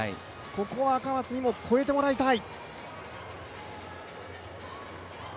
ここは赤松にも越えてもらいたい。